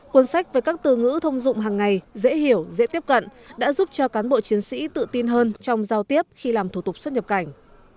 cuốn sách với các từ ngữ thông dụng hàng ngày dễ hiểu dễ tiếp cận đã giúp cho cán bộ chiến sĩ tự tin hơn trong giao tiếp khi làm thủ tục xuất nhập cảnh